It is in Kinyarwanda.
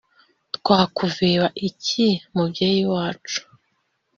twakuveba iki mubyeyi wacu,